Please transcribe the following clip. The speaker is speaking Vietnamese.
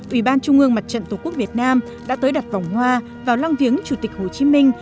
ủy ban trung ương mặt trận tổ quốc việt nam đã tới đặt vòng hoa vào lăng viếng chủ tịch hồ chí minh